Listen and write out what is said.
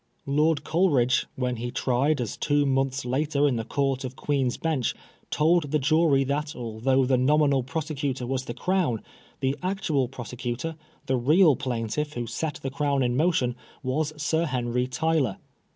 Lord Coleridge, when he tried as two months later in the Court of Queen's Bench, told the jury that although the nominal prosecutor was the Crown, the actual prosecutor, the real plaintiff who set the Crown in motion, was Sir Henry Tyler.